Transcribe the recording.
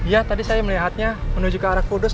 ya tadi saya melihatnya menuju ke arah kudus